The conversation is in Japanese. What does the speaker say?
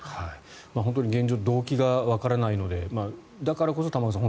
現状動機がわからないのでだからこそ、玉川さん